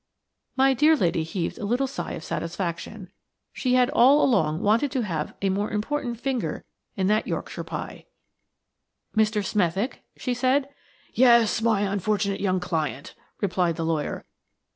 My dear lady heaved a little sigh of satisfaction. She had all along wanted to have a more important finger in that Yorkshire pie. "Mr. Smethick?" she said. "Yes; my unfortunate young client," replied the lawyer.